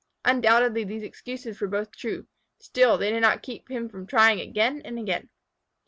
Undoubtedly these excuses were both true, still they did not keep him from trying again and again.